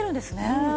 うん。